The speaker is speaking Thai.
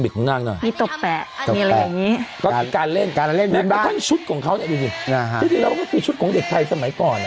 การเล่นชุดของเขาเนี่ยดูสิจริงเราก็คือชุดของเด็กไทยสมัยก่อน